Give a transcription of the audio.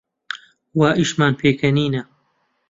وا ئیشمان پێکەنینە